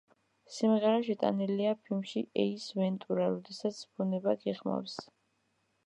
სიმღერა შეტანილია ფილმში ეის ვენტურა: როდესაც ბუნება გიხმობს.